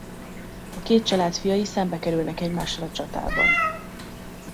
A két család fiai szembekerülnek egymással a csatában.